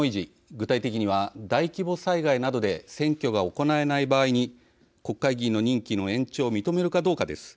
具体的には大規模災害などで選挙が行えない場合に国会議員の任期の延長を認めるかどうかです。